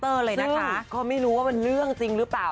เลยนะคะก็ไม่รู้ว่ามันเรื่องจริงหรือเปล่า